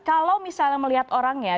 kalau misalnya melihat orangnya